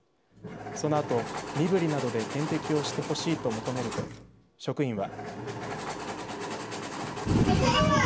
そのあと身ぶりなどで点滴をしてほしいと求めると職員は。